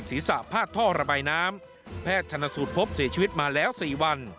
พาดท่อระบายน้ำแพทย์ชนสูตรพบเสียชีวิตมาแล้ว๔วัน